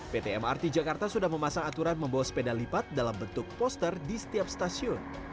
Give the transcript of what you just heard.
pt mrt jakarta sudah memasang aturan membawa sepeda lipat dalam bentuk poster di setiap stasiun